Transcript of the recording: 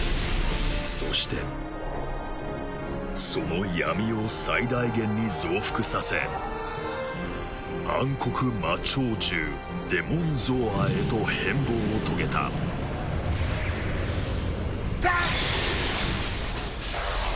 そしてその闇を最大限に増幅させ闇黒魔超獣デモンゾーアへと変貌を遂げたテヤッ！